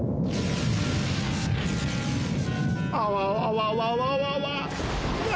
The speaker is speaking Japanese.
あわわわわわわわな